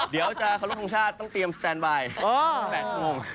เดี๋ยวจ๊ะข้าวลูกทรงชาติต้องเตรียมสแตนไบด์